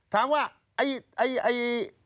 ถามว่าไอ๋ไอ๋ไอ๋